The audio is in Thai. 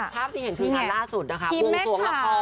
ครับที่เห็นคืองานล่าสุดนะคะภูมิทรวงละคร